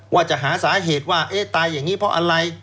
ว่าจะหาสาเหตุว่าเอ๊ะตายอย่างนี้เพราะอะไร